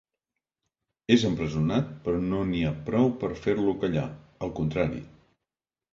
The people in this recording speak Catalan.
És empresonat, però no n'hi ha prou per fer-lo callar, al contrari.